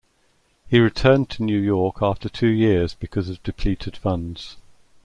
He returned to New York after two years because of depleted funds.